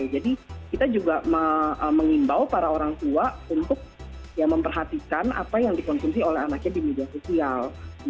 jadi kita juga mengimbau para orang tua untuk memperhatikan apa yang dikonsumsi oleh anaknya di media sosial